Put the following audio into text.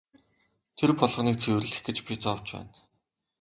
Тэр болгоныг цэвэрлэх гэж би зовж байна.